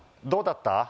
「どうだった？